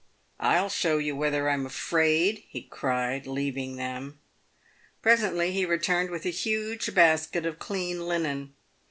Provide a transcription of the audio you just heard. " I'll show you whether I'm afraid," be cried, leaving them. Presently he returned with a huge basket of clean linen.